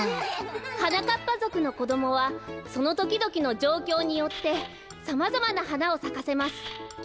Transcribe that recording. はなかっぱぞくのこどもはそのときどきのじょうきょうによってさまざまなはなをさかせます。